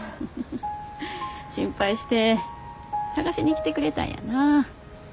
心配して捜しに来てくれたんやな。